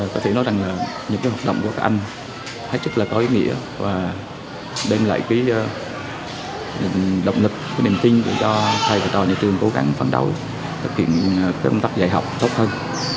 có thể nói rằng những hoạt động của các anh hết trức là có ý nghĩa và đem lại động lực niềm tin cho hai tòa nhà trường cố gắng phản đối thực hiện công tác dạy học tốt hơn